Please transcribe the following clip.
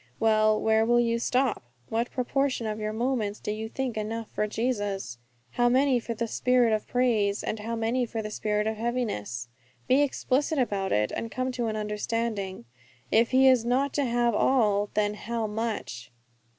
Well, where will you stop? What proportion of your moments do you think enough for Jesus? How many for the spirit of praise, and how many for the spirit of heaviness? Be explicit about it, and come to an understanding. If He is not to have all, then _how much?